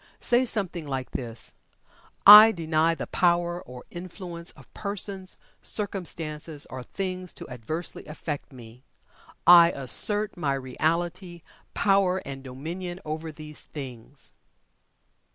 Say something like this, "I DENY the power or influence of persons, circumstances, or things to adversely affect me. I ASSERT my Reality, Power and Dominion over these things."